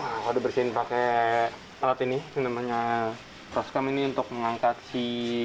kalau dibersihin pakai alat ini yang namanya roscom ini untuk mengangkat si